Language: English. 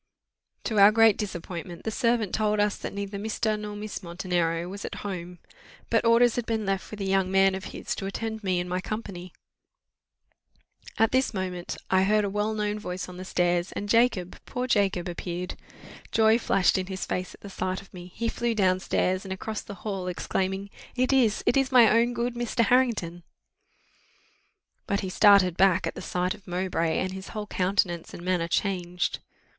To our great disappointment the servant told us that neither Mr. nor Miss Montenero was at home. But orders had been left with a young man of his to attend me and my company. At this moment I heard a well known voice on the stairs, and Jacob, poor Jacob, appeared: joy flashed in his face at the sight of me; he flew down stairs, and across the hall, exclaiming, "It is it is my own good Mr. Harrington!" But he started back at the sight of Mowbray, and his whole countenance and manner changed.